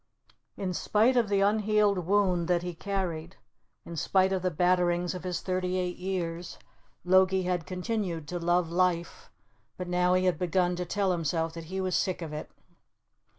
In spite of the unhealed wound that he carried, in spite of the batterings of his thirty eight years, Logie had continued to love life, but now he had begun to tell himself that he was sick of it.